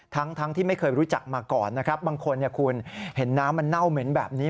ทั้งที่ไม่เคยรู้จักมาก่อนนะครับบางคนคุณเห็นน้ำมันเน่าเหม็นแบบนี้